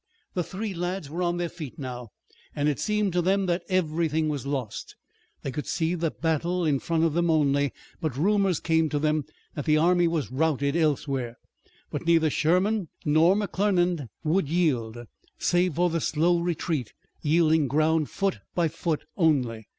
The three lads were on their feet now, and it seemed to them that everything was lost. They could see the battle in front of them only, but rumors came to them that the army was routed elsewhere. But neither Sherman nor McClernand would yield, save for the slow retreat, yielding ground foot by foot only.